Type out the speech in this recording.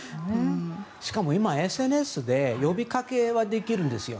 しかも今、ＳＮＳで呼びかけはできるんですよ。